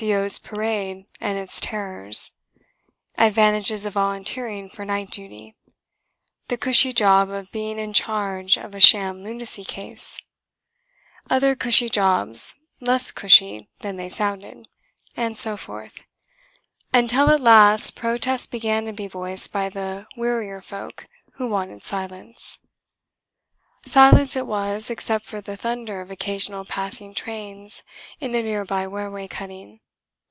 O.'s Parade and its Terrors; Advantages of Volunteering for Night Duty; The Cushy Job of being in charge of a Sham Lunacy Case; Other Cushy Jobs less cushy than They Sounded; and so forth; until at last protests began to be voiced by the wearier folk who wanted silence. Silence it was, except for the thunder of occasional passing trains in the near by railway cutting.